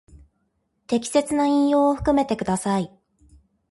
適切な引用を含めてください。